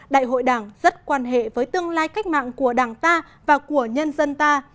đại hội đảng rất quan hệ với tương lai cách mạng của đảng ta và của nhân dân ta